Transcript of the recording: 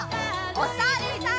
おさるさん。